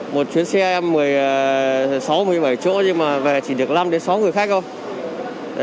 một chuyến xe em một mươi sáu một mươi bảy chỗ nhưng mà về chỉ được năm sáu người khách không